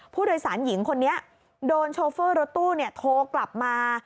ผู้โดยสารหญิงคนนี้โดนโชเฟอร์รถตู้โทรกลับมา